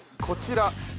こちら。